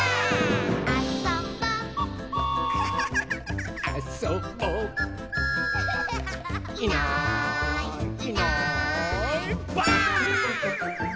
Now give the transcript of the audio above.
「あそぼ」「あそぼ」「いないいないばあっ！」